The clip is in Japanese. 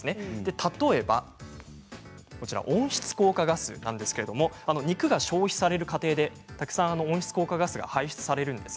例えば温室効果ガスなんですけれども肉が消費される過程でたくさん温室効果ガスが排出されるんです。